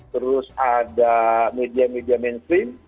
terus ada media media mainstream